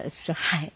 はい。